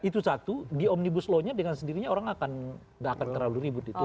itu satu di omnibus lawnya dengan sendirinya orang akan gak akan terlalu ribut gitu